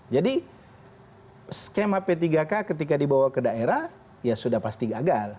jadi skema p tiga k ketika dibawa ke daerah ya sudah pasti gagal